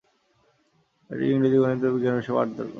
এটি ইংরেজি, গণিত এবং বিজ্ঞান বিষয়ে পাঠদান করে।